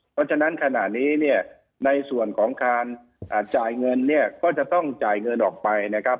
เพราะฉะนั้นขณะนี้เนี่ยในส่วนของการจ่ายเงินเนี่ยก็จะต้องจ่ายเงินออกไปนะครับ